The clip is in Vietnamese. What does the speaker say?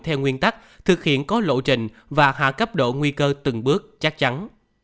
theo nguyên tắc thực hiện có lộ trình và hạ cấp độ nguy cơ từng bước chắc chắn